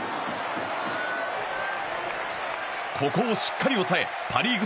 ここをしっかり抑えパ・リーグ